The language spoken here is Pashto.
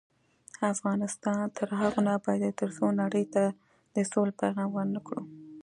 افغانستان تر هغو نه ابادیږي، ترڅو نړۍ ته د سولې پیغام ورنکړو.